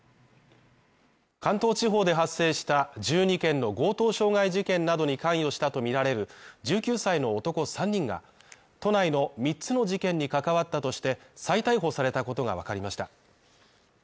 関東地方で発生した１２件の強盗傷害事件などに関与したとみられる１９歳の男３人が都内の三つの事件に関わったとして再逮捕されたことがわかりました。